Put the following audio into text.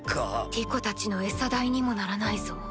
ティコたちの餌代にもならないぞ。